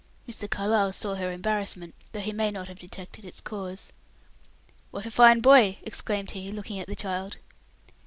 Mr. Carlyle saw her embarrassment, though he may not have detected its cause. "What a fine boy!" exclaimed he, looking at the child.